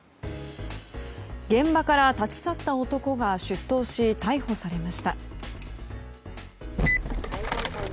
現場から立ち去った男が出頭し、逮捕されました。